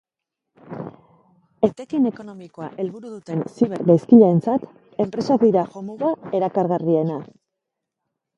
Etekin ekonomikoa helburu duten ziber gaizkileentzat, enpresak dira jomuga erakargarriena.